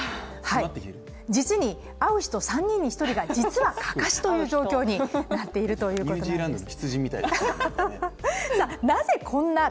実に会う人、３人に１人が実はかかしという状況になっているようです。